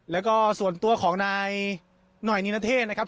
แล้วก็ส่วนตัวของนายหน่อยนินเทศนะครับ